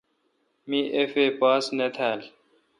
می اف اے پاس نہ تھال۔